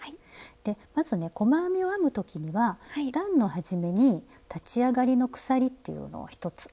でまずね細編みを編む時には段の始めに立ち上がりの鎖っていうのを１つ編むんですけど。